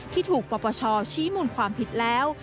ที่ถูกปปชชี้มูลความผิดแล้ว